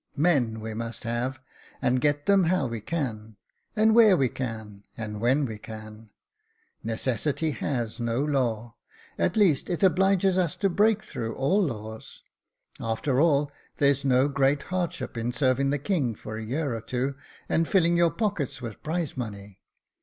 Men we must have, and get them how we can, and where we can, and when we can. Necessity has no law ; at least it obliges us to break through all laws. After all, there's no great hard ship in serving the king for a year or two, and filling your pockets with prize money.